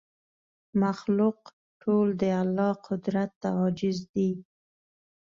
مخلوق ټول د الله قدرت ته عاجز دی